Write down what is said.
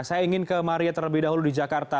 saya ingin ke maria terlebih dahulu di jakarta